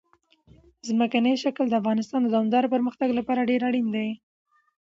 ځمکنی شکل د افغانستان د دوامداره پرمختګ لپاره ډېر اړین دي.